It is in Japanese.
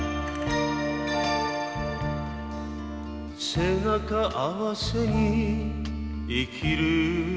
「背中合わせに生きるよりも」